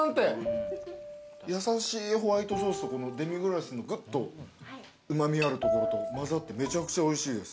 優しいホワイトソースとこのデミグラスのぐっとうま味があるところと混ざってめちゃくちゃおいしいです。